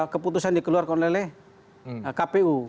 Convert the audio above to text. keputusan dikeluarkan oleh kpu